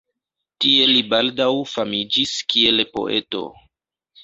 Tie li baldaŭ famiĝis kiel poeto.